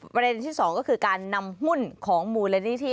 ประเด็นที่๒ก็คือการนำหุ้นของมูลนิธิ